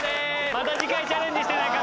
また次回チャレンジしてね亀井君。